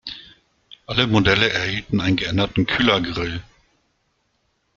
Alle Modelle erhielten einen geänderten Kühlergrill.